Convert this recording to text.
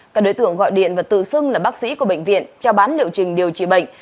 các đối tượng gọi điện và tự xưng là bác sĩ của bệnh viện trao bán liệu trình điều trị bệnh